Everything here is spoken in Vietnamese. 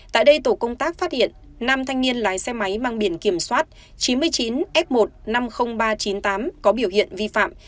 tại đây tổ công tác phát hiện năm thanh niên lái xe máy mang biển kiểm soát chín mươi chín f một trăm năm mươi nghìn ba trăm chín mươi tám có biểu hiện vi phạm